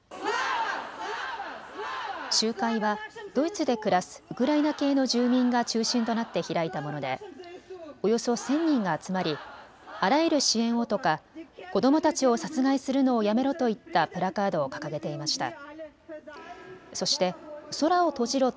集会はドイツで暮らすウクライナ系の住民が中心となって開いたものでおよそ１０００人が集まりあらゆる支援をとか子どもたちを殺害するのをやめろといったプラカードを掲げていました。